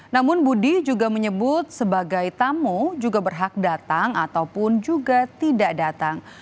namun budi juga menyebut sebagai tamu juga berhak datang ataupun juga tidak datang